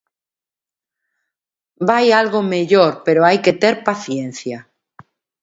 Vai algo mellor pero hai que ter paciencia.